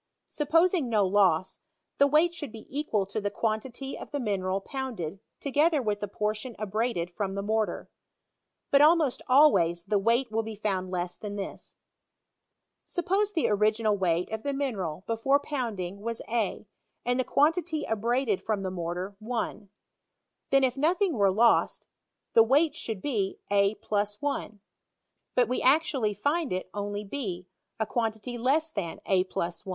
Supposing no loss, the weight should be equal to the quantity of the mineral pounded together with the portion abraded from the mortar. But almost always the weight will be found less than this, Sup[}OBe the original weight of the mi neral before pouiidingwas a, and the quantity abraded from the mortar I ; then, if nothing were lost, the weight should be a + 1 ; but we actually find it only b, a quantity less than a + I.